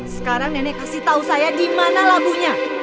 sekarang nenek kasih tau saya dimana labunya